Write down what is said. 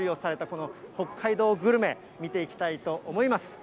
この北海道グルメ、見ていきたいと思います。